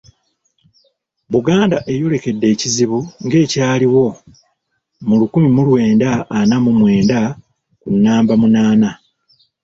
Buganda eyolekedde ekizibu nga ekyaliwo mu lukumi mu lwenda ana mu mwenda ku naamba munaana!